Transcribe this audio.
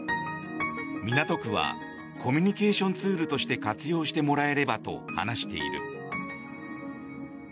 港区はコミュニケーションツールとして活用してもらえればと話している。